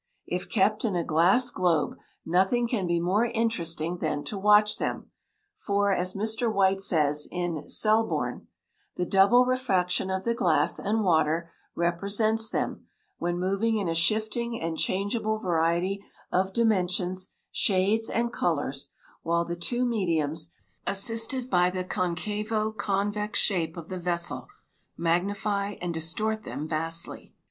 If kept in a glass globe, nothing can be more interesting than to watch them, for, as Mr. White says, in Selborne, "The double refraction of the glass and water represents them, when moving, in a shifting and changeable variety of dimensions, shades, and colors, while the two mediums, assisted by the concavo convex shape of the vessel, magnify and distort them vastly."